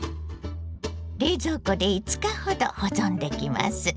冷蔵庫で５日ほど保存できます。